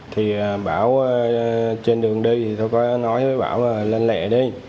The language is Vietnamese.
thì bảo trên đường đi thì tôi có nói với bảo là lên lẹ đi